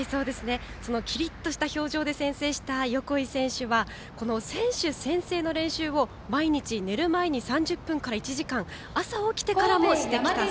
キリッとした表情で宣誓した横井選手は選手宣誓の練習を毎日、寝る前に３０分から１時間朝起きてからもしたそうです。